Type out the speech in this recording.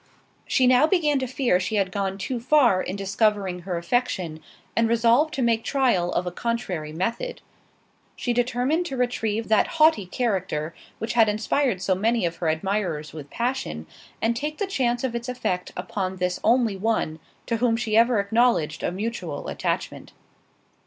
She now began to fear she had gone too far in discovering her affection, and resolved to make trial of a contrary method. She determined to retrieve that haughty character which had inspired so many of her admirers with passion, and take the chance of its effect upon this only one, to whom she ever acknowledged a mutual attachment.